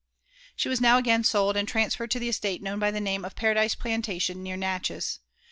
She was now again sold, and transferred to the estate known by the name of Paradise Plantation, near Natchez.